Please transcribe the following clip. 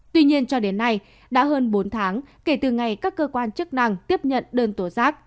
tuy nhiên cho đến nay đã hơn bốn tháng kể từ ngày các cơ quan chức năng tiếp nhận đơn tố giác